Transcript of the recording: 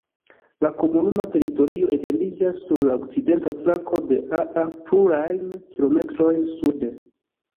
La komunuma teritorio etendiĝas sur la okcidenta flanko de Aa plurajn kilometrojn sude.